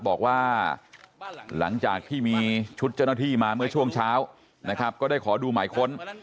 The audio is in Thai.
บอกว่าหลังจากที่มีชุดเจ้าหน้าที่มาเมื่อช่วงเช้านะครับก็ได้ขอดูหมายค้น